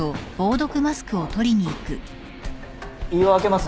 胃を開けます。